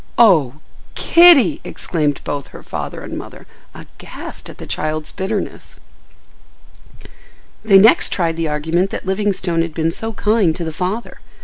"Oh, Kitty!" exclaimed both her father and mother, aghast at the child's bitterness. They next tried the argument that Livingstone had been so kind to the father.